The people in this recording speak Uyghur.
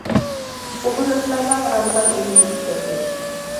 ئۇزۇن ئۆتمەيلا رامىزان ئېيى يېتىپ كەلدى.